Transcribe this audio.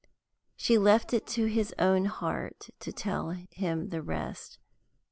She left it to his own heart to tell him the rest.